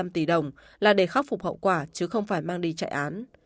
một mươi năm tỷ đồng là để khắc phục hậu quả chứ không phải mang đi chạy án